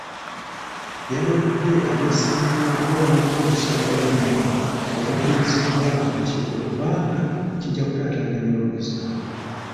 Yalabudde abeesimbyewo okwewala okukozesa obubonero obukkiriziddwa akakiiko kubanga kijja kutataaganya abawagizi baabwe.